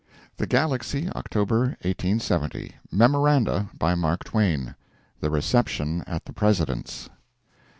THE GALAXY, October 1870 MEMORANDA. BY MARK TWAIN. THE RECEPTION AT THE PRESIDENT'S.